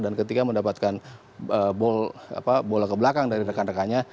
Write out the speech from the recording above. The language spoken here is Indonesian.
dan ketika mendapatkan bola ke belakang dari rekan rekannya